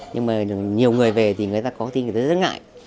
nhưng mà nhiều người về thì người ta có thể thấy rất ngại